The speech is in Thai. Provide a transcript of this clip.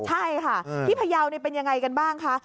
ใช่ค่ะที่พยาวเป็นยังไงกันบ้างคะ